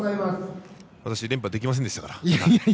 私、連覇できませんでしたから。